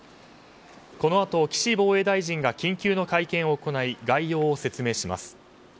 このあと岸防衛大臣が緊急の会見を行い概要を説明します。